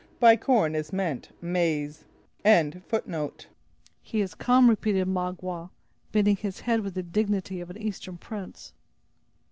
By corn is meant maise. "He is come," repeated Magua, bending his head with the dignity of an eastern prince.